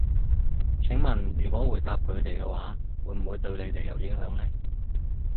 請問如果回答佢哋嘅話，會唔會對你哋有影響呢？